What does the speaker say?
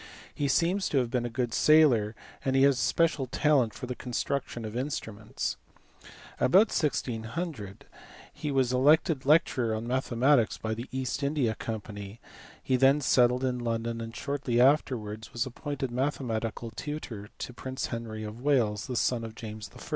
He seems to have been a good sailor and he had a special talent for the construction of instruments. About 1600 he was elected lecturer on mathematics by the East India Company ; he then settled in London, and shortly afterwards was ap pointed mathematical tutor to prince Henry of Wales, the son of James I.